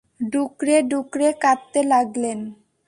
ডুকরে ডুকরে কাঁদতে লাগলেন।